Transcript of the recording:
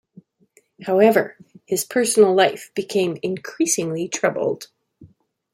However, his personal life became increasingly troubled.